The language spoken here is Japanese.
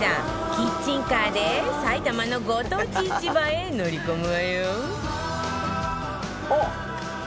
キッチンカーで埼玉のご当地市場へ乗り込むわよおっ！